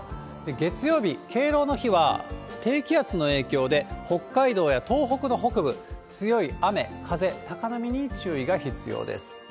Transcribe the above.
月曜日、敬老の日は、低気圧の影響で、北海道や東北の北部、強い雨、風、高波に注意が必要です。